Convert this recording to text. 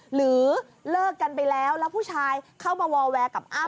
หรือเลิกกันไปแล้วแล้วผู้ชายเข้ามาวอลแวร์กับอ้ำ